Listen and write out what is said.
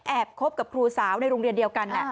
คบกับครูสาวในโรงเรียนเดียวกัน